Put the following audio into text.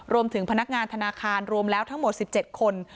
รวมถึงพนักงานธนาคารรวมแล้วทั้งหมด๑๗คน